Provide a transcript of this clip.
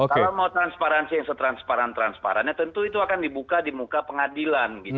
kalau mau transparansi yang setransparan transparannya tentu itu akan dibuka di muka pengadilan